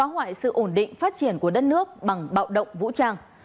giữ ổn định phát triển của đất nước bằng bạo động vũ trang